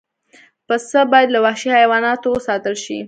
پسه باید له وحشي حیواناتو وساتل شي.